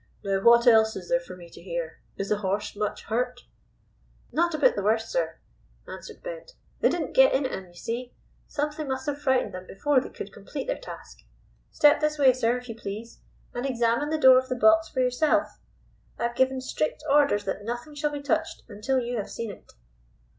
"Now what else is there for me to hear? Is the horse much hurt?" "Not a bit the worse, sir," answered Bent. "They didn't get in at him, you see. Something must have frightened them before they could complete their task. Step this way, sir, if you please, and examine the door of the box for yourself. I have given strict orders that nothing shall be touched until you have seen it."